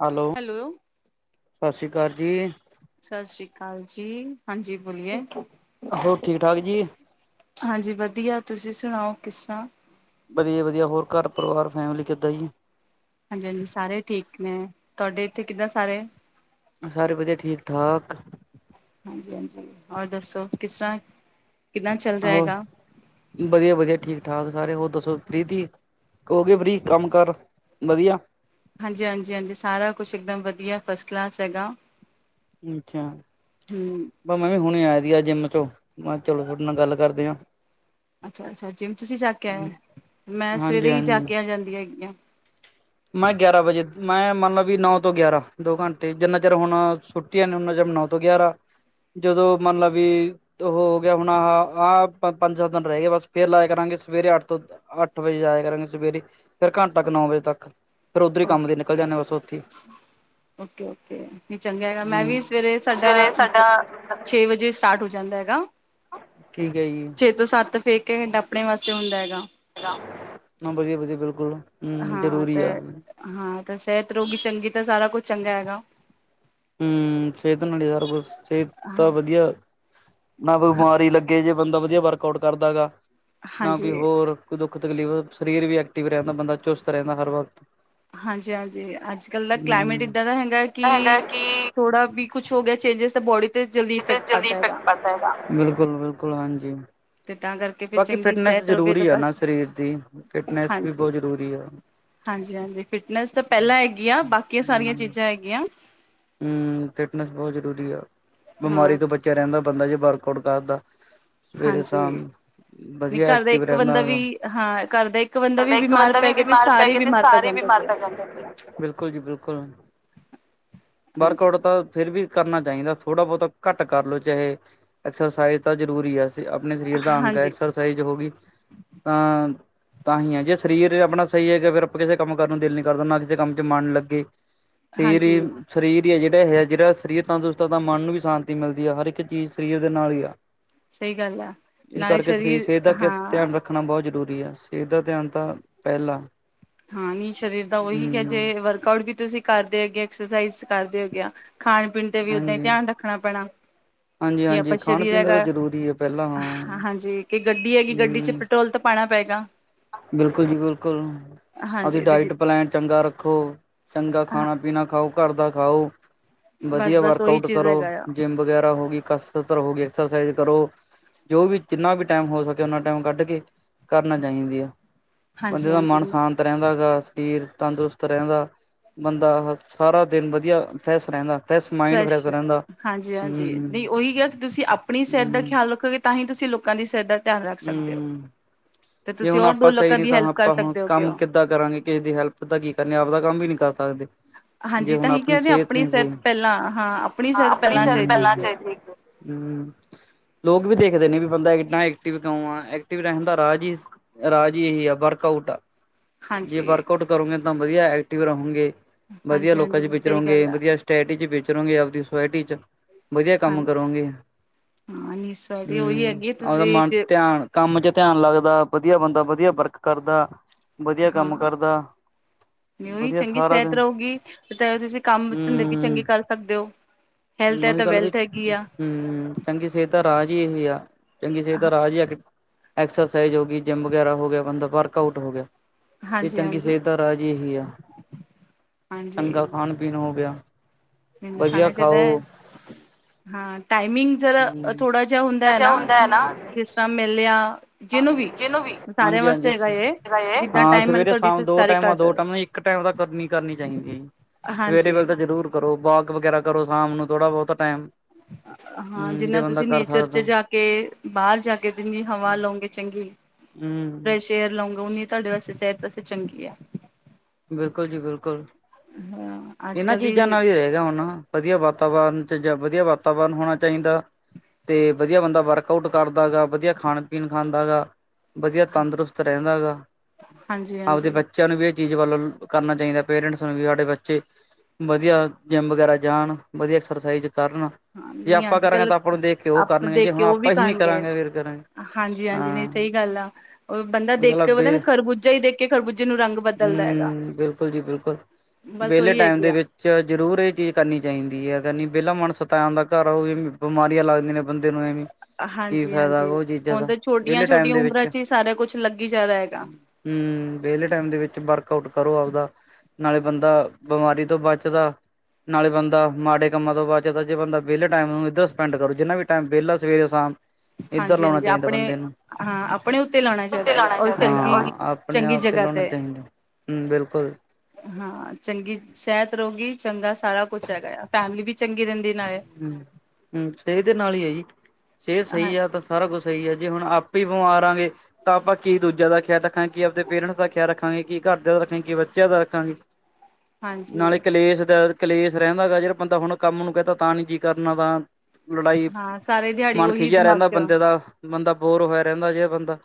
Hello ਸਤਿ ਸ਼੍ਰੀ ਅਕਾਲ ਜੀ। ਸਤਿ ਸ੍ਰੀ ਅਕਾਲ ਜੀ ਹਾਂਜੀ ਬੋਲੀਏ। ਹੋਰ ਠੀਕ ਠਾਕ ਜੀ। ਹਾਂਜੀ ਵਧੀਆ ਤੁਸੀਂ ਸੁਣਾਓ ਕਿਸ ਤਰ੍ਹਾਂ ਵਧੀਆ ਵਧੀਆ ਹੋਰ ਘਰ ਪਰਿਵਾਰ ਫੈਮਲੀ ਕਿੱਦਾਂ ਜੀ ਹਾਂਜੀ ਹਾਂਜੀ ਸਾਰੇ ਠੀਕ ਨੇ ਤੁਹਾਡੇ ਇੱਥੇ ਕਿੱਦਾਂ ਸਾਰੇ ਸਾਰੇ ਵਧੀਆ ਠੀਕ ਠਾਕ। ਹਾਂਜੀ ਹਾਂਜੀ ਔਰ ਦੱਸੋ ਕਿਸ ਤਰ੍ਹਾਂ ਕਿੱਦਾਂ ਚੱਲ ਰਿਹਾ ਹੋਰ ਹੈਗਾ। ਵਧੀਆ ਵਧੀਆ ਠੀਕ ਠਾਕ ਸਾਰੇ ਹੋਰ ਦੱਸੋ ਫਰੀ ਤਿ ਹੋਗੇ ਫ੍ਰੀ ਕੰਮ ਕਰ ਵਧੀਆ ਹਾਂਜੀ ਹਾਂਜੀ ਹਾਂਜੀ ਸਾਰਾ ਕੁਛ ਇੱਕਦਮ ਵਧੀਆ ਫਸਟ ਕਲਾਸ ਹੈਗਾ ਅੱਛਾ ਹੂੰ। ਬਸ ਮੈਂ ਵੀ ਹੁਣੀ ਆਇਆ ਜਿੰਮ ਚੋਂ ਮੈਂ ਚਲੋ ਤੁਹਾਡੇ ਨਾਲ ਗੱਲ ਕਰਦੇ ਆਾਂ ਅੱਛਾ ਅੱਛਾ ਜਿੰਮ ਤੁਸੀਂ ਜਾ ਕੇ ਆਏ ਮੈਂ ਸਵੇਰੇ ਹਾਂਜੀ ਹੀ ਜਾ ਹਾਂਜੀ। ਕੇ ਆ ਜਾਂਦੀਆਂ ਹੈਗੀਆਂ ਮੈਂ ਗਿਆਰਾਂ ਵਜੇ ਮੈਂ ਮੰਨ ਲਵ ਵੀ ਨੌ ਤੋਂ ਗਿਆਰਾਂ ਦੋ ਘੰਟੇ ਜਿੰਨਾ ਚਿਰ ਹੁਣ ਛੱ ਛੁੱਟੀਆਂ ਨੇ ਉਹਨਾਂ ਨੌ ਤੋਂ ਗਿਆਰਾਂ ਜਦੋਂ ਮੰਨ ਲਵ ਵੀ ਹੋ ਗਿਆ ਹੁਣ ਆਹ ਆਹ ਪੰਜ ਸੱਤ ਦਿਨ ਰਹਿ ਗਏ ਬਸ ਫੇਰ ਲਾਇਆ ਕਰਾਂਗੇ ਸਵੇਰੇ ਅੱਠ ਤੋਂ ਅੱਠ ਵਜੇ ਜਾਇਆ ਕਰਾਂਗੇ ਸਵੇਰੇ ਫਿਰ ਘੰਟਾ ਕੁ ਨੌ ਵਜੇ ਤੱਕ ਫੇਰ ਉੱਧਰੇ ਕੰਮ ਨਿਕਲ ਜਾਂਦੇ ਹਾਂ ਬਸ ਉਥੇ ਹੀ ਓਕੇ ਓਕੇ ਨਹੀਂ ਚੰਗਾ ਹੈਗਾ ਮੈਂ ਹੂੰ ਵੀ ਸਵੇਰੇ ਸਾਡਾ, ਸਵੇਰੇ ਸਾਡਾ ਮਤਲਬ ਛੇ ਵਜੇ ਸਟਾਰਟ ਹੋ ਜਾਂਦਾ ਹੈਗਾ। ਠੀਕ ਹੈ ਜੀ। ਛੇ ਤੋਂ ਸੱਤ ਫੇਰ ਘੰਟਾ ਆਪਣੇ ਵਾਸਤੇ ਹੁੰਦਾ ਹੈਗਾ। [unintelligible] ਹਾਂ ਵਧੀਆ ਵਧੀਆ ਬਿਲਕੁਲ। ਹੂੰ ਹਾਂ ਤੇ ਜ਼ਰੂਰੀ ਆ ਹਾਂ ਤੇ ਸਿਹਤ ਰਹੁਗੀ ਚੰਗੀ ਤਾਂ ਸਾਰਾ ਕੁਛ ਚੰਗਾ ਹੈਗਾ। ਹੂੰ, ਸਿਹਤ ਨਾਲ ਹੀ ਸਾਰਾ ਕੁਛ ਸਿਹਤ ਤਾਂ ਹਾਂ ਵਧੀਆ, ਨਾ ਕੋਈ ਹਾਂ ਬਿਮਾਰੀ ਲੱਗੇ ਜੇ ਬੰਦਾ ਵਧੀਆ ਵਰਕ ਆਊਟ ਕਰਦਾ ਗਾ, ਨਾ ਕੋਈ ਹਾਂਜੀ। ਹੋਰ, ਕੋਈ ਦੁੱਖ ਤਕਲੀਫ਼ ਸਰੀਰ ਵੀ ਐਕਟਿਵ ਰਹਿੰਦਾ ਬੰਦਾ ਚੁਸਤ ਰਹਿੰਦਾ ਹਰ ਵਕਤ, ਹਾਂਜੀ-ਹਾਂਜੀ, ਅੱਜ ਕੱਲ੍ਹ ਦਾ ਕਲਾਈਮੇਟ ਹੂੰ। ਇੱਦਾਂ ਦਾ ਹੈਗਾ ਕਿ, ਥੋੜਾ ਵੀ ਕੁਛ ਕੁਛ ਹੋ ਗਿਆ ਚੇਜਿਸ ਤਾਂ ਬਡੀ ਤੋਂ [unintelligible] ਬਿਲਕੁਲ, ਬਿਲਕੁਲ, ਹਾਂਜੀ। ਤੇ ਤਾਂ ਕਰਕੇ ਫਿਰ ਬਾਕੀ ਚੰਗੀ ਫਿਟਨੈਸ ਸਿਹਤ ਰਵੇ ਤਾਂ ਜ਼ਰੂਰੀ ਆ ਨਾ ਬਸ ਸਰੀਰ ਦੀ ਫਿਟਨੈਸ ਵੀ ਬਹੁਤ ਜ਼ਰੂਰੀ ਆ। ਹਾਂਜੀ-ਹਾਂਜੀ, ਫਿਟਨੈਸ ਤਾਂ ਪਹਿਲਾਂ ਹੈਗੀ ਆ ਬਾਕੀ ਸਾਰੀਆਂ ਹੂੰ, ਚੀਜ਼ਾਂ ਹੈਗੀਆਂ। ਹੂੰ, ਫਿਟਨੈਸ ਬਹੁਤ ਜ਼ਰੂਰੀ ਆ, ਹਾਂ। ਬਿਮਾਰੀ ਤੋਂ ਬ ਬਚਕੇ ਰਹਿੰਦਾ ਬੰਦਾ ਜੇ ਵਰਕ ਆਊਟ ਕਰਦਾ ਸਵੇਰੇ ਹਾਂਜੀ ਸ਼ਾਮ। ਨਹੀਂ ਵਧੀਆ ਘਰ ਦਾ ਐਕਟਿਵ ਇੱਕ ਰਹਿੰਦਾ ਬੰਦਾ ਵੀ ਹਾਂ ਘਰ ਦਾ ਇੱਕ ਬੰਦਾ ਹੈਗਾ, ਵੀ ਇੱਕ ਬਿਮਾਰ ਬੰਦਾ ਪੈ ਵੀ ਗਿਆ ਤੇ ਬਿਮਾਰ ਪੈ ਸਾਰੇ ਗਿਆ ਤੇ ਬਿਮਾਰ ਪੈ ਸਾਰੇ ਹੀ ਜਾਂਦੇ ਬਿਮਾਰ ਪਏ ਆ ਪੈ ਬਿਲਕੁਲ ਜੀ ਬਿਲਕੁਲ, ਵਰਕ ਹਾਂਜੀ ਆਊਟ ਤਾਂ ਫਿਰ ਵੀ ਕਰਨਾ ਚਾਹੀਦਾ ਥੋੜ੍ਹਾ ਬਹੁਤਾ ਘੱਟ ਕਰ ਲੋ ਚਾਹੇ ਐਕਸਰਸਾਈਜ਼ ਤਾਂ ਜ਼ਰੂਰੀ ਹੈ। ਆਪਣੇ ਸਰੀਰ ਦਾ ਅੰਗ ਹੈ ਹਾਂਜੀ ਐਕਸਰਸਾਈਜ਼ ਹੋ ਗਈ, ਤਾਂ ਤਾਂ ਹੀ ਹੈ ਜੇ ਸਰੀਰ ਆਪਣਾ ਸਹੀ ਹੈ ਕਿ ਫੇਰ ਆਪਾਂ ਕਿਸੇ ਕੰਮ ਕਰਨ ਨੂੰ ਦਿਲ ਨੀ ਕਰਦਾ ਨਾ ਕਿਸੇ ਕੰਮ ਚ ਮਨ ਲੱਗੇ। ਸਰੀਰ ਹੀ, ਹਾਂਜੀ। ਸਰੀਰ ਹੀ ਜਿਹੜਾ ਇਹ ਆ ਜਿਹੜਾ ਸਰੀਰ ਤੰਦਰੁਸਤ ਆ ਤਾਂ ਮਨ ਨੂੰ ਵੀ ਸ਼ਾਂਤੀ ਮਿਲਦੀ ਆ ਹਰ ਇੱਕ ਚੀਜ਼ ਸਰੀਰ ਦੇ ਨਾਲ ਹੀ ਆ, ਸਹੀ ਗੱਲ ਆ, ਇਸ ਨਾਲੇ ਕਰਕੇ ਸਰੀਰ ਸਿਹਤ ਦਾ ਹਾਂ ਧਿਆਨ ਰੱਖਣਾ ਬਹੁਤ ਜ਼ਰੂਰੀ ਹੈ, ਸਿਹਤ ਦਾ ਧਿਆਨ ਤਾਂ ਪਹਿਲਾਂ, ਹਾਂ ਨੀ ਸਰੀਰ ਦਾ ਉਹੀ ਕੇ ਹਮ ਜੇ ਵਰਕ ਆਊਟ ਵੀ ਤੁਸੀਂ, ਕਰਦੇ ਹੋਗੇ ਐਕਸਰਸਾਈਜ਼ ਕਰਦੇ ਹੋਗਿਆ ਖਾਣ ਪੀਣ ਤੇ ਵੀ ਓਦਾਂ ਹੀ ਹਾਂਜੀ ਧਿਆਨ ਰੱਖਣਾ ਪੈਣਾ। ਹਾਂਜੀ ਕੀ ਆਪਾਂ ਹਾਂਜੀ ਖਾਣ ਸਰੀਰ ਪੀਣ ਦਾ ਤਾਂ ਹੈਗਾ, ਜ਼ਰੂਰੀ ਹੈ ਪਹਿਲਾਂ ਹਾਂ ਹਾਂਜੀ ਕਿ ਗੱਡੀ ਹੈਗੀ ਗੱਡੀ ਚ ਹਮ ਪੈਟਰੋਲ ਤਾਂ ਪਾਉਣਾ ਪਏਗਾ, ਬਿਲਕੁਲ ਜੀ ਬਿਲਕੁਲ। ਹਾਂਜੀ ਉਹਦੀ ਇਹਦੇ ਚ ਡਾਇਟ ਪਲੈਨ ਚੰਗਾ ਰੱਖੋ ਚੰਗਾ ਖਾਣਾ ਪੀਣਾ ਖਾਓ। ਘਰ ਦਾ ਖਾਓ ਬਸ ਵਧੀਆ ਬਸ ਵਰਕ ਉਹੀ ਆਊਟ ਚੀਜ਼ ਕਰੋ ਹੈਗਾ ਆ ਜਿੰਮ ਵਗੈਰਾ ਹੋ ਗਈ ਕਸ ਹੋ ਐਕਸਰਸਾਈਜ਼ ਕਰੋ ਜੋ ਵੀ ਜਿੰਨਾ ਵੀ ਟਾਈਮ ਹੋ ਸਕੇ ਉਹਨਾ ਟਾਈਮ ਕੱਢ ਕੇ ਕਰਨਾ ਚਾਹੀਦੀ ਆ ਹਾਂਜੀ ਬੰਦੇ ਦਾ ਹਾਂਜੀ ਮਨ ਸ਼ਾਂਤ ਰਹਿੰਦਾ ਹੈ ਗਾ ਸਰੀਰ ਤੰਦਰੁਸਤ ਰਹਿੰਦਾ। ਬੰਦਾ ਸਾਰਾ ਦਿਨ ਵਧੀਆ ਫਰੈਸ਼ ਰਹਿੰਦਾ ਫਰੈਸ਼, ਹਾਂਜੀ-ਹਾਂਜੀ, ਹੂੰ ਨਹੀਂ ਉਹੀ ਆ ਕਿ ਤੁਸੀਂ ਆਪਣੀ ਸਿਹਤ ਦਾ ਹੂੰ ਖਿਆਲ ਰੱਖੋਗੇ। ਤਾਂ ਹੀ ਤੁਸੀਂ ਲੋਕਾਂ ਦੀ ਸਿਹਤ ਦਾ ਧਿਆਨ ਰੱਖ ਸਕਦੇ ਹੋ। ਹੂੰ ਤੇ ਜੇ ਤੁਸੀਂ ਹੁਣ ਹੋਰ ਦੋ ਆਪਾਂ ਸਹੀ ਲੋਕਾਂ ਨਹੀ ਦੀ ਤਾਂ ਹੈਲਪ ਕਰ ਆਪਾਂ ਹੁਣ ਸਕਦੇ ਹੋਗੇ ਕੰਮ ਕਿੱਥੋਂ ਹੋ ਕਿੱਦਾਂ ਕਰਾਂਗੇ ਕਿਸੇ ਦੀ ਹੈਲਪ ਤਾਂ ਕੀ ਕਰਨੀ ਆਪਦਾ ਕੰਮ ਵੀ ਨਹੀਂ ਕਰ ਸਕਦੇ। ਜੇ ਹਾਂਜੀ ਹੁਣ ਤਾਂਹੀ ਆਪਣੀ ਕਹਿੰਦੇ ਸਿਹਤ ਨੀ ਸਹੀ, ਪਹਿਲਾਂ ਹਾਂ ਹਾਂ ਸਿਹਤ ਆਪਣੀ ਪਹਿਲਾਂ ਸਿਹਤ ਚਾਹੀਦੀ ਪਹਿਲਾ ਹੈਗੀ ਚਾ ਹੈ। ਲੋਕ ਵੀ ਦੇਖਦੇ ਨੇ ਵੀ ਬੰਦਾ ਇੰਨਾ ਐਕਟਿਵ ਕਿਉ ਆ ਐਕਟਿਵ ਰਹਿਣ ਦਾ ਰਾਜ ਹੀ, ਰਾਜ ਇਹੀ ਆ ਵਰਕ ਆਊਟ, ਆ ਜੇ ਹਾਂਜੀ, ਵਰਕ ਆਊਟ ਕਰੋਗੇ ਤਾਂ ਵਧੀਆ ਐਕਟਿਵ ਰਹੋਗੇ ਵਧੀਆ ਹਾਂਜੀ, ਲੋਕਾਂ ਚ ਹਾਂਜੀ ਸਹੀ ਵਿਚਰੋਂਗੇ ਗੱਲ ਆ ਵਧੀਆ ਸੋਸਾਇਟੀ ਵੇਚਰੋਗੇ ਆਪਦੀ ਸੋਸਾਇਟੀ ਚ। ਵਧੀਆ ਹਾਂ ਕੰਮ ਕਰੋਂਗੇ, ਹਾਂ ਨੀ ਸਾਡੀ ਉਹੀ ਹੂੰ ਹੈਗੀ ਆਪਦਾ ਤੁਸੀਂ ਮਨ ਜੇ ਧਿਆਨ, ਕੰਮ ਚ ਧਿਆਨ ਲੱਗਦਾ ਵਧੀਆ ਬੰਦਾ ਵਧੀਆ ਵਰਕ ਕਰਦਾ ਵਧੀਆ ਕੰਮ ਕਰਦਾ‌। ਨ ਉਹੀ ਚੰਗੀ ਸਿਹਤ ਰਹੁਗੀ ਤੁਸੀਂ ਕੰਮ ਧੰਦੇ ਵੀ ਹੂੰ ਚੰਗੇ ਕਰ ਸਕਦੇ ਹੋ। ਹੈਲਥ ਹੈ ਉਹੀ ਤਾਂ ਗੱਲ ਵੀ, ਵੈਲਥ ਹੈਗੀ ਆ ਹੂੰ, ਚੰਗੀ ਸਿਹਤ ਦਾ ਰਾਜ ਹੀ ਇਹ ਆ। ਚੰਗੀ ਸਿਹਤ ਦਾ ਰਾਜ ਹੀ ਐਕਸਾਈਜ਼ ਹੋ ਗਈ ਜਿੰਮ ਵਗੈਰਾ ਹੋ ਗਿਆ ਬੰਦਾ ਵਰਕ ਆਊਟ ਹੋ ਗਿਆ। ਇਹ ਹਾਂਜੀ, ਚੰਗੀ ਹਾਂਜੀ, ਸਿਹਤ ਦਾ ਰਾਜ ਇਹੀ ਆ ਹਾਂਜੀ ਚੰਗਾ ਖਾਣ ਪੀਣ ਹੋ ਗਿਆ ਮੈਨੂੰ ਵਧੀਆ ਖਾਣਾ ਚਾਹੀਦਾ ਖਾਓ। ਹੈ। ਹਾਂ ਟਾਈਮਿੰਗ ਚਲਾ ਹਮ ਥੋੜਾ ਜਿਹਾ ਹੁੰਦਾ ਹੈ ਨਾ ਕਿ ਜਿਸ ਤਰ੍ਹਾਂ ਮਿਲਿਆ ਜਿਹਨੂੰ ਵੀ। ਸਾਰਿਆਂ ਹਾਂਜੀ ਵਾਸਤੇ ਹਾਂਜੀ ਹੈਗਾ ਇਹ ਜਿੱਦਾਂ ਹਾਂ ਟਾਈਮ ਮਿਲ ਸਵੇਰੇ ਤੁਹਾਡੀ ਸ਼ਾਮ ਤੁਸੀਂ ਦੋ ਸਾਰੇ ਟਾਈਮ ਕਰ ਦੋ ਸਕਦੇ ਟਮ ਇੱਕ ਟਾਈਮ ਤਾਂ ਕਰਨੀ -ਕਰਨੀ ਚਾਹੀਦੀ ਹੈ ਜੀ। ਸਵੇਰੇ ਹਾਂਜੀ ਵੇਲੇ ਤਾਂ ਜ਼ਰੂਰ ਕਰੋ ਵਾਕ ਵਗੈਰਾ ਕਰੋ ਸ਼ਾਮ ਨੂੰ ਥੋੜ੍ਹਾ-ਬਹੁਤਾ ਟਾਈਮ। ਹਾਂ ਹਮ ਜੇ ਜਿੰਨਾ ਬੰਦਾ ਤੁਸੀਂ ਕਰ ਨੇਚਰ 'ਚ ਸਕਦਾ ਜਾ ਕੇ ਬਾਹਰ ਜਾ ਕੇ ਜਿੰਨੀ ਹਵਾ ਲਉਗੇ ਚੰਗੀ ਐ। ਹਮ ਫਰੈਸ਼ ਏਅਰ ਲਾਉਂਗੇ ਉਨੀ ਤੁਹਾਡੇ ਵਾਸਤੇ ਸਿਹਤ ਵਾਸਤੇ ਚੰਗੀ ਹੈ। ਬਿਲਕੁਲ ਜੀ ਬਿਲਕੁਲ ਹਾਂ ਅੱਜ ਇਹਨਾਂ ਕੱਲ੍ਹ ਚੀਜ਼ਾਂ ਦੀ ਨਾਲ ਹੀ ਰਹਿ ਗਿਆ ਹਨਾ। ਵਧੀਆ ਵਾਤਾਵਰਨ ਚ ਜਾਂ ਵਧੀਆ ਵਾਤਾਵਰਨ ਹੋਣਾ ਚਾਹੀਦਾ। ਤੇ ਵਧੀਆ ਬੰਦਾ ਵਰਕ ਆਊਟ ਕਰਦਾ ਗਾ ਵਧੀਆ ਖਾਣ-ਪੀਣ ਖਾਂਦਾ ਗਾ। ਵਧੀਆ ਤੰਦਰੁਸਤ ਰਹਿੰਦਾ ਗਾ, ਹਾਂਜੀ ਆਪਦੇ ਹਾਂਜੀ ਬੱਚਿਆਂ ਨੂੰ ਵੀ ਚੀਜ਼ ਵੱਲੋਂ ਕਰਨਾ ਚਾਹੀਦਾ ਪੇਰੈਂਟਸ ਨੂੰ ਵੀ ਸਾਡੇ ਬੱਚੇ ਵਧੀਆ ਜਿੰਮ ਵਗੈਰਾ ਜਾਣ, ਵਧੀਆ ਐਕਸਰਸਾਈਜ਼ ਕਰਨ ਹਾਂ ਜੇ ਨਹੀਂ ਆਪਾਂ ਅੱਜ ਕਰਾਂਗੇ ਕੱਲ ਤਾਂ ਆਪਾਂ ਨੂੰ ਦੇਖ ਕੇ ਉਹ ਆਪ ਕਰਨਗੇ ਜੇ ਦੇਖ ਕੇ ਹੁਣ ਉਹ ਵੀ ਆਪਾਂ ਹੀ ਨੀ ਕਰਨਗੇ ਕਰਾਂਗੇ ਫੇਰ ਕਰਾਂਗੇ। ਹਾਂਜੀ ਹਾਂਜੀ ਨਹੀਂ ਹਾਂ। ਸਹੀ ਗੱਲ ਆ, ਉਹ ਬੰਦਾ ਗੱਲ ਦੇਖ ਆ ਕੇ ਪਤਾ ਨਾ ਬੇ ਖਰਬੂਜਾ ਹੀ ਦੇਖ ਕੇ ਖਰਬੂਜੇ ਨੂੰ ਰੰਗ ਬਦਲਦਾ ਹੈਗਾ ਹੂੰ। ਬਿਲਕੁਲ ਜੀ ਬਿਲਕੁਲ ਬਸ ਵਿਹਲੇ ਉਹੀ ਟਾਈਮ ਹੈਗੀ ਦੇ ਆ ਵਿੱਚ ਚ ਜ਼ਰੂਰ ਇਹ ਚੀਜ਼ ਕਰਨੀ ਚਾਹੀਦੀ ਹੈ, ਕਰਨੀ ਵਿਹਲਾ ਮਨ ਸ਼ੈਤਾਨ ਦਾ ਘਰ ਉਹ ਵੀ ਬਿਮਾਰੀਆਂ ਲੱਗਦੀਆਂ ਨੇ ਬੰਦੇ ਨੂੰ ਐਵੇਂ ਕੀ ਫਾਇਦਾ ਹਾਂਜੀ-ਹਾਂਜੀ ਉਹ ਚੀਜ਼ਾਂ ਹੁਣ ਦਾ ਤਾਂ ਵਿਹਲੇ ਟਾਈਮ ਛੋਟੀਆਂ-ਛੋਟੀਆਂ ਦੇ ਉਮਰਾਂ ਵਿੱਚ 'ਚ ਹੀ ਸਾਰਾ ਕੁਛ ਲੱਗੀ ਜਾ ਰਿਹਾ ਹੈਗਾ। ਹੂੰ। ਵਿਹਲੇ ਟਾਈਮ ਦੇ ਵਿੱਚ ਵਰਕ ਆਊਟ ਕਰੋ ਆਪਦਾ ਨਾਲੇ ਬੰਦਾ ਬਿਮਾਰੀ ਤੋਂ ਬਚਦਾ। ਨਾਲੇ ਬੰਦਾ ਮਾੜੇ ਕੰਮ ਤੋਂ ਬਾਅ 'ਚਦਾ ਜੇ ਬੰਦਾ ਵਿਹਲੇ ਟਾਈਮ ਨੂੰ ਇੱਧਰ ਸਪੈਂਡ ਕਰੋ, ਜਿੰਨਾ ਵੀ ਟਾਈਮ ਵਿਹਲਾ ਸਵੇਰੇ-ਸ਼ਾਮ। ਇੱਧਰ ਲਾਉਣਾ ਹਾਂਜੀ-ਹਾਂਜੀ ਚਾਹੀਦਾ ਆਪਣੇ ਬੰਦੇ ਨੂੰ। ਹਾਂ ਆਪਣੇ ਉੱਤੇ ਲਾਉਣਾ ਲਾ [unintelligible] ਹੈਗਾ ਔਰ ਚਾਹੀਦਾ ਚੰਗੀ ਆਪਣੇ ਚੰਗੀ ਆਪ ਤੇ ਜਗ੍ਹਾ ਲਾਉਣਾ ਚਾਹੀਦਾ। ਹੂੰ, ਬਿਲਕੁਲ। ਹਾਂ ਚੰਗੀ ਸਿਹਤ ਰਹੂਗੀ ਚੰਗਾ ਸਾਰਾ ਕੁਛ ਹੈਗਾ ਆ ਫੈਮਿਲੀ ਵੀ - ਚੰਗੀ ਰਹਿੰਦੀ ਨਾਲੇ। ਹੂੰ-ਹੂੰ ਸਿਹਤ ਦੇ ਨਾਲ ਹੀ ਹੈ ਜੀ ਸਿਹਤ ਹਾਂ ਸਹੀ ਆ ਤਾਂ ਸਾਰਾ ਕੁਛ ਸਹੀ ਹੈ ਜੇ ਹੁਣ ਆਪ ਹੀ ਬਿਮਾਰ ਆੰਗੇ ਤਾਂ ਆਪਾਂ ਕੀ ਦੂਜਿਆਂ ਦਾ ਖਿਆਲ ਰੱਖਾਂਗੇ, ਕੀ ਆਪਦੇ ਪੇਰੈਂਟਸ ਦਾ ਖਿਆਲ ਰੱਖਾਂਗੇ, ਕੀ ਘਰਦਿਆਂ ਦਾ ਰੱਖਾਂਗੇ, ਕੀ ਬੱਚਿਆਂ ਦਾ ਰੱਖਾਂਗੇ। ਹਾਂਜੀ ਨਾਲੇ ਕਲੇਸ਼ ਦਾ ਕਲੇਸ਼ ਰਹਿੰਦਾ ਗਾ ਜੇੜਾ ਬੰਦਾ ਹੁਣ ਕੰਮ ਨੂੰ ਕਹਿਤਾ ਤਾਂ ਨੀ ਜੀ ਕਰਨਾ ਵਾ। ਲੜਾਈ ਹਾਂ ਸਾਰੇ ਦਿਹਾੜੀ ਮਨ ਉਹੀ ਖਿਝਿਆ ਦਿਮਾਗ ਰਹਿੰਦਾ ਚ ਬੰਦੇ ਦਾ ਬੰਦਾ ਬੋਰ ਹੋਇਆ ਰਹਿੰਦਾ ਜੇ ਬੰਦਾ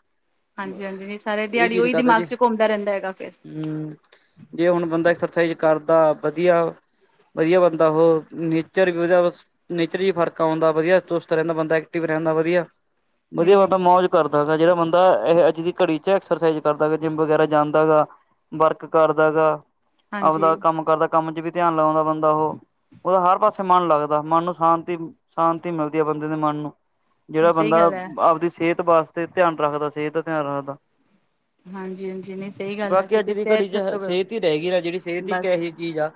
ਹਾਂਜੀ ਹਾਂਜੀ ਨਹੀ ਸਾਰੇ ਇਹ ਦਿਹਾੜੀ ਚੀਜ਼ ਨੀ ਉਹੀ ਕਰਦਾ ਦਿਮਾਗ ਜੀ ਚ ਘੁੰਮਦਾ ਰਹਿੰਦਾ ਹੈਗਾ ਫੇਰ। ਹੂੰ ਜੇ ਹੁਣ ਬੰਦਾ ਐਕਸਰਸਾਈਜ਼ ਕਰਦਾ ਵਧੀਆ ਵਧੀਆ ਬੰਦਾ ਉਹ ਨ ਨੇਚਰ ਓਦਾ ਬਸ ਨੇਚਰ ਫਰਕ ਆਉਂਦਾ ਵਧੀਆ ਦੁਸਤ ਰਹਿੰਦਾ ਬੰਦਾ ਐਕਟਿਵ ਰਹਿੰਦਾ ਵਧੀਆ। ਵਧੀਆ ਨਹੀਂ-ਨਹੀਂ ਬੰਦਾ ਮੌਜ ਕਰਦਾ ਹੈਗਾ ਜਿਹੜਾ ਬੰਦਾ ਇਹ ਅੱਜ ਦੀ ਘੜੀ 'ਚ ਐਕਸਰਸਾਈਜ਼ ਕਰਦਾ ਗਾ ਜਿੰਮ ਵਗੈਰਾ ਜਾਂਦਾ ਗਾ ਵਰਕ ਕਰਦਾ ਗਾ ਹਾਂਜੀ ਆਪਦਾ ਕੰਮ ਕਰਦਾ ਕੰਮ 'ਚ ਵੀ ਧਿਆਨ ਲਾਉਂਦਾ ਬੰਦਾ ਉਹ ਉਹਦਾ ਹਰ ਪਾਸੇ ਮਨ ਲੱਗਦਾ ਮਨ ਨੂੰ ਸ਼ਾਂਤੀ-ਸ਼ਾਂਤੀ ਮਿਲਦੀ ਹੈ ਬੰਦੇ ਦੇ ਮਨ ਨੂੰ ਜਿਹੜਾ ਨਹੀਂ ਸਹੀ ਬੰਦਾ ਗੱਲ ਹੈ ਆਪਦੀ ਸਿਹਤ ਵਾਸਤੇ ਧਿਆਨ ਰੱਖਦਾ ਸਿਹਤ ਦਾ ਧਿਆਨ ਰੱਖਦਾ ਹਾਂਜੀ-ਹਾਂਜੀ ਨਹੀਂ ਸਹੀ ਗੱਲ ਹੈ ਬਾਕੀ ਅੱਜ ਕਿਉਂਕਿ ਦੀ ਘੜੀ ਸਿਹਤ 'ਚ ਸਭ ਤੋਂ ਸਿਹਤ ਹੀ ਰਹਿ ਗਈ ਨਾ ਜਿਹੜੀ ਸਿਹਤ ਇੱਕ ਬਸ ਇਹੋਹੀ ਚੀਜ਼ ਆ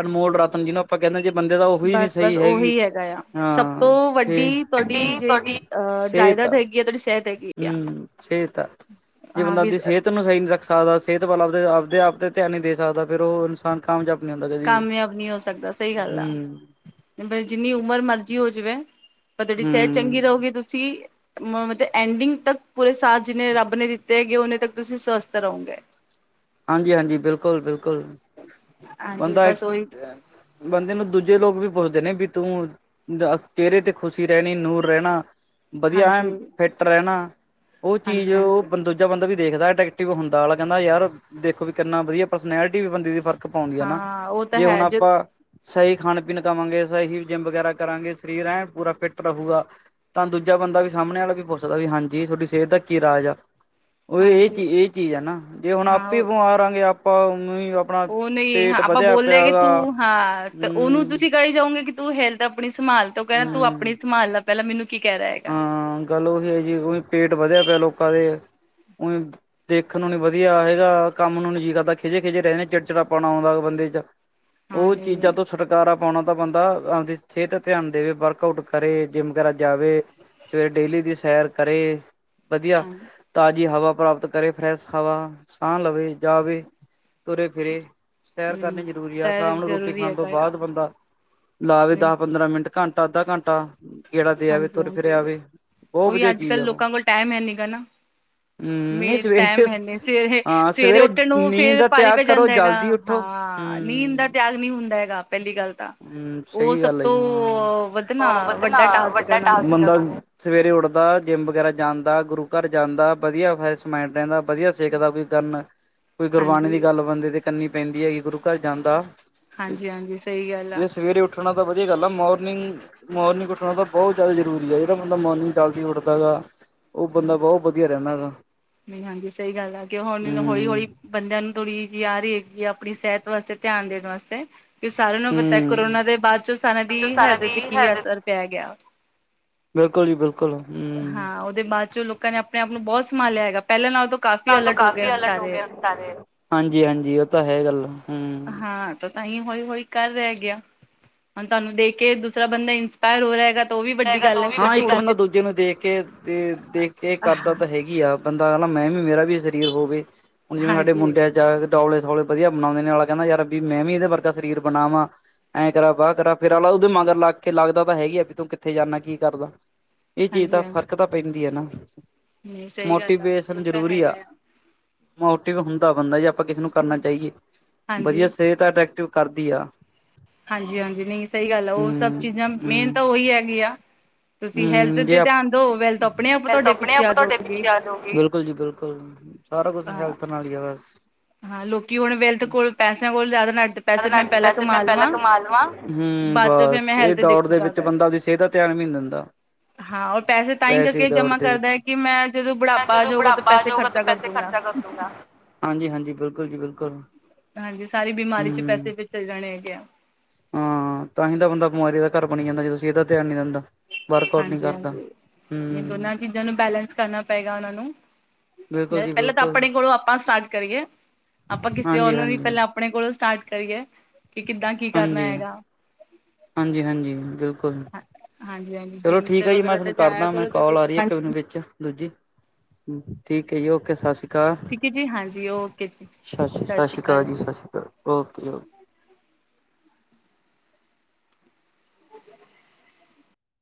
ਅਨਮੋਲ ਰਤਨ ਜਿਹਨੂੰ ਆਪਾਂ ਕਹਿੰਦੇ ਜੇ ਬੰਦੇ ਦਾ ਓ ਉਹੀ ਨਹੀਂ ਬਸ-ਬਸ ਸਹੀ ਹੈਗੀ ਉਹੀ ਹੈਗਾ ਆ ਸਭ ਹਾਂ ਤੋਂ ਤੇ ਵੱਡੀ ਡੀ ਤੁਹਾਡੀ ਜਿਹੜੀ ਤੁਹਾਡੀ ਅਹ ਸਿਹਤ - ਜਾਇਦਾਦ ਹੈਗੀ ਆ ਤੁਹਾਡੀ ਸਿਹਤ ਹੈਗੀ ਆ ਹੂੰ, ਸਿਹਤ ਆ ਜੇ ਹਾਂ ਬੰਦਾ ਵੀ ਉਹਦੀ ਸਿਹਤ ਸਿਹਤ ਨੂੰ ਸਹੀ ਨਹੀਂ ਰੱਖ ਸਕਦਾ ਸਿਹਤ ਵੱਲ ਆਪਦੇ-ਆਪਦੇ ਆਪ ਤੇ ਧਿਆਨ ਨਹੀਂ ਦੇ ਸਕਦਾ ਫਿਰ ਉਹ ਇਨਸਾਨ ਕਾਮਯਾਬ ਨੀ ਉਂਦਾ ਜੇ ਕਾਮਯਾਬ ਨਹੀਂ ਹੋ ਸਕਦਾ ਸਹੀ ਗੱਲ ਆ ਜਿੰਨੀ ਉਮਰ ਮਰਜ਼ੀ ਹੋ ਜਾਵੇ ਪਰ ਤੁਹਾਡੀ ਸਿਹਤ ਚੰਗੀ ਹੂੰ ਰਹੂਗੀ ਤੁਸੀਂ ਮਤਲਬ ਐਂਡਿੰਗ ਤੱਕ ਪੂਰੇ ਸਾਲ ਜਿੰਨੇ ਰੱਬ ਨੇ ਦਿੱਤੇ ਹੈਗੇ ਨੇ ਤੱਕ ਤੁਸੀਂ ਸਵਸਥ ਰਹੋਗੇ ਹਾਂਜੀ-ਹਾਂਜੀ ਬਿਲਕੁਲ-ਬਿਲਕੁਲ ਹਾਂਜੀ ਬੰਦਾ ਬਸ ਉਹੀ ਬੰਦੇ ਨੂੰ ਦੂਜੇ ਲੋਕ ਵੀ ਪੁੱਛਦੇ ਨੇ ਵੀ ਤੂੰ ਚਿਹਰੇ ਤੇ ਖੁਸ਼ੀ ਰਹਿਣੀ ਨੂਰ ਰਹਿਣਾ ਵਧੀਆ ਹਾਂਜੀ ਏਨ ਫਿੱਟ ਰਹਿਣਾ ਉਹ ਚੀਜ਼ ਹਾਂਜੀ ਉਹ ਹਾਂਜੀ ਬੰਦ ਬੰਦਾ ਵੀ ਦੇਖਦਾ ਅਟੈਕਟਿਵ ਹੁੰਦਾ ਆ ਕਹਿੰਦਾ ਯਾਰ ਦੇਖੋ ਵੀ ਕਿੰਨਾ ਵਧੀਆ ਪਰਸਨੈਲਿਟੀ ਵੀ ਬੰਦੇ ਦੀ ਫਰਕ ਪਾਉਂਦੀ ਆ ਨਾ ਹਾਂ ਉਹ ਤਾਂ ਜੇ ਹੁਣ ਹੈ ਜ ਆਪਾਂ ਸਹੀ ਖਾਣ ਪੀਣ ਖਾਵਾਂਗੇ ਸਹੀ ਜਿੰਮ ਵਗੈਰਾ ਕਰਾਂਗੇ ਸਰੀਰ ਐਂਨ ਪੂਰਾ ਫਿਟ ਰਹੁਗਾ ਤਾਂ ਦੂਜਾ ਬੰਦਾ ਵੀ ਸਾਹਮਣੇ ਵਾਲਾ ਵੀ ਪੁੱਛਦਾ ਵੀ ਹਾਂਜੀ ਤੁਹਾਡੀ ਸਿਹਤ ਦਾ ਕੀ ਰਾਜ ਆ ਉਹ ਇਹ ਹਾਂਜੀ ਚੀ ਇਹ ਚੀਜ਼ ਹੈ ਨਾ ਜੇ ਹੁਣ ਆਪੇ ਹਾਂ ਬਿਮਾਰ ਆਗੇ ਆਪਾ ਉਹ ਨਹੀਂ ਹਾਂ ਆਪਾਂ ਬੋਲਦੇ ਹਗੇ ਤੂੰ ਹਾਂ ਤੇ ਉਹਨੂੰ ਹੂੰ ਤੁਸੀਂ ਕਹੀ ਜਾਓਗੇ ਕਿ ਤੂੰ ਹੈਲਤ ਆਪਣੀ ਸੰਭਾਲ ਤੋਂ ਕਹਿਣਾ ਤੂੰ ਆਪਣੀ ਹੂੰ ਸੰਭਾਲ ਨਾਲ ਪਹਿਲਾਂ ਮੈਨੂੰ ਕੀ ਕਹਿ ਰਿਹਾ ਹੈਗਾ ਹਾਂ ਗੱਲ ਉਹੀ ਹੈ ਜੀ ਉਹੀ ਪੇਟ ਵਧਿਆ ਪਿਆ ਲੋਕਾਂ ਦੇ ਉਹੀ ਦੇਖਣ ਨੂੰ ਨੀ ਵਧੀਆ ਹੈਗਾ ਕੰਮ ਨੂੰ ਨੀ ਜੀ ਕਰਦਾ ਖਿਜੇ-ਖਿਜੇ ਰੈਹਨੇ ਚਿੜਚਿੜਾ ਪਾਉਣਾ ਆਉਦਾ ਬੰਦੇ ਚ ਹਾਂ ਉਹ ਨਹੀਂ ਚੀਜ਼ਾਂ ਨਹੀਂ ਤੋਂ ਛੁਟਕਾਰਾ ਪਾਉਣਾ ਤਾਂ ਬੰਦਾ ਆਪਦੀ ਸਿਹਤ ਧਿਆਨ ਦੇਵੇ ਵਰਕਆਊਟ ਕਰੇ ਜਿੰਮ ਵਗੈਰਾ ਜਾਵੇ ਸਵੇਰੇ ਡੇਲੀ ਦੀ ਸੈਰ ਕਰੇ ਵਧੀਆ ਹਾਂ ਤਾਜ਼ੀ ਹਵਾ ਪ੍ਰਾਪਤ ਕਰੇ ਫਰੈਸ਼ ਹਵਾ ਸਾਹ ਲਵੇ ਜਾਵੇ ਤੁਰੇ ਫਿਰੇ ਸੈਰ ਨਹੀਂ ਕਰਨੀ ਜ਼ਰੂਰੀ ਆ ਸੈਰ ਸ਼ਾਮ ਨੂੰ ਰੋਟੀ ਜ਼ਰੂਰੀ ਖਾਣ ਤੋਂ ਹੈਗਾ ਆ ਬਾਅਦ ਬੰਦਾ ਲਾਵੇ ਦਸ ਨਹੀਂ ਪੰਦਰਾਂ ਮਿੰਟ ਘੰਟਾ ਅੱਧਾ ਘੰਟਾ ਗੇੜਾ ਦੇ ਆਵੇ ਹਾਂਜੀ ਤੁਰ ਫਿਰੇ ਹਾਂਜੀ ਆਵੇ ਬਹੁਤ ਉਹੀ ਵਧੀਆ ਅੱਜ ਚੀਜ਼ ਕੱਲ ਆ ਉਹ ਲੋਕਾਂ ਕੋਲ ਟਾਈਮ ਹੈ ਨੀ ਗਾ ਨਾ ਹਮ ਮੇ ਨਹੀਂ ਟਾਈਮ ਸਵੇਰੇ ਹੈ ਨਹੀਂ ਹਾਂ ਸਵੇਰੇ-ਸਵੇਰੇ ਸਵੇਰੇ ਉੱਠਣ ਨੂੰ ਨੀਂਦ ਫੇਰ ਦਾ ਪਾਰੀ ਤਿਆਗ ਪੈ ਕਰੋ ਜਾਂਦਾ ਹੈਗਾ ਜਲਦੀ ਉੱਠੋ ਹਾਂ ਨੀਂਦ ਹਮ ਦਾ ਤਿਆਗ ਨਹੀਂ ਹੁੰਦਾ ਹੈਗਾ ਪਹਿਲੀ ਗੱਲ ਤਾਂ ਹਮ ਉਹ ਸਹੀ ਸਭ ਗੱਲ ਆ ਤੋਂ ਵੱਧ ਨਾ ਹਾਂ ਵ ਵੱਡਾ ਟਾਸਕ ਹੈਗਾ ਵੱਡਾ ਉਹਨਾਂ ਟਾ ਨੂੰ ਸਵੇਰੇ ਉੱਠਦਾ ਜਿੰਮ ਵਗੈਰਾ ਜਾਂਦਾ ਗੁਰੂ ਘਰ ਜਾਂਦਾ ਵਧੀਆ ਫਰੈਸ਼ ਮਾਈਂਡ ਰਹਿੰਦਾ ਵਧੀਆ ਸਿੱਖਦਾ ਕੋਈ ਕਰਨ ਕੋਈ ਗੁਰਬਾਣੀ ਦੀ ਹਾਂਜੀ ਗੱਲ ਬੰਦੇ ਤੇ ਕਨੀ ਪੈਂਦੀ ਹੈ ਕਿ ਗੁਰੂ ਘਰ ਜਾਂਦਾ ਹਾਂਜੀ-ਹਾਂਜੀ ਇਹ ਸਵੇਰੇ ਉੱਠਣਾ ਤਾਂ ਵਧੀਆ ਗੱਲ ਆ ਮੋਰਨਿੰਗ ਮੋਰਨਿੰਗ ਉੱਠਣਾ ਤਾਂ ਬਹੁਤ ਜ਼ਿਆਦਾ ਜ਼ਰੂਰੀ ਹੈ ਜਿਹੜਾ ਬੰਦਾ ਮੋਰਨਿੰਗ ਜਲਦੀ ਉੱਠਦਾ ਹੈਗਾ ਉਹ ਬੰਦਾ ਬਹੁਤ ਵਧੀਆ ਰਹਿੰਦਾ ਹੈਗਾ ਨਹੀਂ ਹਾਂਜੀ ਸਹੀ ਗੱਲ ਆ ਕਿ ਹੁਣ ਹੌਲੀ ਹਮ ਹੌਲੀ ਬੰਦਿਆਂ ਨੂੰ ਥੋੜ੍ਹੀ ਜਿਹੀ ਆ ਰਹੀ ਹੈਗੀ ਆ ਆਪਣੀ ਸਿਹਤ ਵਾਸਤੇ ਧਿਆਨ ਦੇਣ ਵਾਸਤੇ ਕਿ ਸਾਰਿਆਂ ਨੂੰ ਪਤਾ ਹੂੰ। ਕਰੋਨਾ ਦੇ ਬਾਅਦ ਚ ਸਾਰਾ ਦੀ ਜੋ ਸਾਰਿਆਂ ਹੈਲਦ ਤੇ ਦੀ ਕੀ ਹੈਲਥ ਅਸਰ ਪੈ ਗਿਆ ਬਿਲਕੁਲ ਜੀ ਬਿਲਕੁਲ ਹਮ ਦੇ ਬਾਅਦ ਚੋਂ ਲੋਕਾਂ ਨੇ ਆਪਣੇ ਆਪ ਨੂੰ ਬਹੁਤ ਸੰਭਾਲਿਆ ਹੈਗਾ ਪਹਿਲਾਂ ਨਾਲ ਤੋਂ ਕਾਫ਼ੀ ਨਾਲ ਤੋਂ ਅਲਟ ਹੋ ਗਏ ਹੁਣ ਅਲਰਟ ਹੋ ਸਾਰੇ ਗਏ ਹੁਣ ਹਾਂਜੀ ਹਾਂਜੀ ਉਹ ਤਾਂ ਹੈ ਗੱਲ। ਹੂੰ ਹਾਂ। ਤਾਂ ਹੀ ਹੌਲੀ ਹੌਲੀ ਕਰ ਰਿਹਾ ਗਿਆ ਹੁਣ ਤੁਹਾਨੂੰ ਦੇਖ ਕੇ ਦੂਸਰਾ ਬੰਦਾ ਇੰਸਪਾਇਰ ਹੋ ਰਿਹਾ ਹੈਗਾ। ਤਾਂ ਉਹ ਵੀ ਵੱਡੀ ਗੱਲ ਹੈ ਚਲ ਹਾਂ ਇੱਕ ਥੋੜ੍ਹੀ ਉਹਦਾ ਜਿਹੀ ਦੂਜੇ ਨੂੰ ਦੇਖ ਕੇ ਦੇਖ ਕੇ ਕਰਦਾ ਤਾਂ ਹੈਗੀ ਆ। ਬੰਦਾ ਕਦਾ ਮੈਂ ਵੀ ਮੇਰਾ ਵੀ ਸਰੀਰ ਹੋਵੇ ਹੁਣ ਜਿਵੇਂ ਸਾਡੇ ਹਾਂਜੀ ਮੁੰਡਿਆਂ ਜਾ ਕੇ ਡੋੌਲੇ ਸੋਲੇ ਵਧੀਆ ਬਣਾਉਂਦੇ ਨੇ ਨਾਲਾ ਕਹਿੰਦਾ ਯਾਰ ਵੀ ਮੈਂ ਵੀ ਇਹਦੇ ਵਰਗਾ ਸਰੀਰ ਬਣਾ ਵਾਂ। ਐਂ ਕਰਾ ਵਾਹ ਕਰ ਫੇਰ ਵਾਲਲਾ ਉਹਦੇ ਮਗਰ ਲੱਗ ਕੇ ਲੱਗ ਤਾਂ ਹੈਗੀ ਆ ਵੀ ਤੂੰ ਉੱਥੇ ਜਾਂਦਾ ਕੀ ਕਰਦਾ ਇਹ ਚੀਜ਼ ਤਾਂ ਹਾਂਜੀ ਹਾਂਜੀ ਫ਼ਰਕ ਤਾਂ ਪੈਂਦੀ ਹੈ ਨਾ। ਨਹੀਂ ਸਹੀ ਗੱਲ ਆ ਮੋਟੀਵੇਸ਼ਨ ਤਾਂ ਜ਼ਰੂਰੀ ਹੈਗਾ ਆ। ਮੋਟਿਵ ਹੁੰਦਾ ਬੰਦਾ ਜ ਆਪਾਂ ਕਿਸੇ ਨੂੰ ਕਰਨਾ ਚਾਹੀਏ ਵਧੀਆ ਹਾਂਜੀ ਸਿਹਤ ਐਕਟਿਵ ਕਰਦੀ ਆ। ਹਾਂਜੀ ਹਾਂਜੀ ਨਹੀਂ ਸਹੀ ਗੱਲ ਆ ਉਹ ਸਭ ਹੂੰ ਚੀਜ਼ਾਂ ਮੇਨ ਹੂੰ। ਤਾਂ ਉਹੀ ਹੈਗੀ ਆ। ਤੁਸੀਂ ਹੈਲਥ ਹੂੰ ਜੇ ਦੇ ਆਪ ਧਿਆਨ ਦਓ ਵੈਲਥ ਆਪਣੇ ਆਪ ਮੈਂ ਤਾਂ ਤੁਹਾਡੇ ਆਪਣੇ ਪਿੱਛੇ ਆਪ ਆ ਤੁਹਾਡੇ ਜਾਓਗੇ। ਪਿੱਛੇ ਆ ਜਾਊਗੀ। ਬਿਲਕੁਲ ਜੀ ਬਿਲਕੁਲ ਸਾਰਾ ਕੁਛ ਹਾਂ। ਹੈਲਥ ਨਾਲ ਹੀ ਆ ਬਸ। ਹਾਂ, ਲੋਕੀ ਹੁਣ ਵਿਲਥ ਕੋਲ ਪੈਸਿਆਂ ਕੋਲ ਜ਼ਿਆਦਾ ਨਾ ਪੈਸੇ ਮੈਂ ਪਹਿਲਾਂ ਪੈਸੇ ਮੈਂ ਕਮਾ ਪਹਿਲਾਂ ਲਵਾਂ। ਕਮਾ ਲਵਾਂ। ਹੂੰ, ਬਾਅਦ ਚੋਂ ਫੇਰ ਬਸ ਮੈਂ ਇਹ ਹੈਲਥ ਦੌੜ ਦੇ ਦੇਖੂਗਾ ਵਿੱਚ ਕਰਕੇ। ਬੰਦਾ ਆਪਦੀ ਸਿਹਤ ਦਾ ਧਿਆਨ ਵੀ ਨਹੀਂ ਦਿੰਦਾ। ਹਾਂ, ਓ ਪੈਸੇ ਤਾਂ ਹੀ ਕਰਕੇ ਦੌੜ ਜਮਾਂ ਦੇ ਕਰਦਾ ਵਿੱਚ। ਕਿ ਮੈਂ ਜਦੋਂ ਮੈਂ ਬੁਢਾਪਾ ਆ ਜਦੋਂ ਜਾਊਗਾ ਤਾਂ ਬੁਢਾਪਾ ਆ ਪੈਸੇ ਜਾਊਗਾ ਤਾਂ ਖਰਚਾ ਕਰ ਪੈਸੇ ਦੂਗਾ। ਖਰਚਾ ਕਰ ਹਾਂਜੀ-ਹਾਂਜੀ, ਬਿਲਕੁਲ ਜੀ ਬਿਲਕੁਲ ਹਾਂਜੀ, ਸਾਰੀ ਬਿਮਾਰੀ ਚ ਪੈਸੇ ਹੂੰ। ਵਿੱਚ ਚਲੇ ਜਾਣੇ ਹੈਗੇ ਆ ਹਾਂ, ਤਾਂ ਹੀ ਤਾਂ ਬੰਦਾ ਬਿਮਾਰੀ ਦਾ ਘਰ ਬਣੀ ਜਾਂਦਾ ਜਦੋਂ ਸਿਹਤ ਇਹਦਾ ਧਿਆਨ ਨਹੀਂ ਦਿੰਦਾ ਵਰਕ ਆਊਟ ਨੀ ਹਾਂਜੀ ਕਰਦਾ ਹਾਂਜੀ। ਇਹ ਹੂੰ ਦੋਨਾਂ ਚੀਜ਼ਾਂ ਨੂੰ ਬੈਲੇੈਂਸ ਕਰਨਾ ਪਏਗਾ ਉਹਨਾਂ ਨੂੰ ਬਿਲਕੁਲ ਜੀ ਪਹਿਲਾਂ ਤਾਂ ਬਿਲਕੁਲ ਆਪਣੇ ਕੋਲੋਂ ਆਪਾਂ ਸਟਾਰਟ ਕਰੀਏ ਆਪਾਂ ਕਿਸੇ ਉਹਨ ਵੀ ਹਾਂਜੀ-ਹਾਂਜੀ। ਪਹਿਲਾਂ ਆਪਣੇ ਕੋਲੋਂ ਸਟਾਰਟ ਕਰੀਏ ਕਿ ਕਿੱਦਾਂ ਕੀ ਕਰਨਾ ਹਾਂਜੀ, ਹੈਗਾ। ਹਾਂਜੀ-ਹਾਂਜੀ, ਬਿਲਕੁਲ। ਹਾਂਜੀ ਹਾਂਜੀ ਚਲੋ ਜਿੰਮ ਠੀਕ ਤੇ ਆ ਜੀ ਮੈਂ ਵਗੈਰਾ ਤੇ ਤੁਹਾਨੂੰ ਜਾਇਆ ਕਰਦਾ ਮੈਂ ਕਰੋ ਤੁਸੀਂ। ਕਾਲ ਆ ਰਹੀ ਇੱਕ ਮੈਨੂੰ ਵਿੱਚ ਦੂਜੀ ਠੀਕ ਐ ਜੀ ਓਕੇ ਸਤਿ ਸ਼੍ਰੀ ਅਕਾਲ। ਠੀਕ ਹੈ ਜੀ ਹਾਂਜੀ ਓਕੇ ਜੀ ਸਤਿ ਸ਼੍ਰੀ ਅਕਾਲ ਜੀ ਸਤਿ ਸ਼੍ਰੀ ਅਕਾਲ ਓਕੇ ਓਕੇ।